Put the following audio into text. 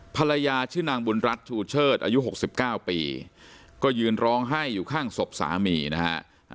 ภรรยาชื่อนางบุญรัฐชูเชิดอายุ๖๙ปีก็ยืนร้องไห้อยู่ข้างศพสามีนะฮะ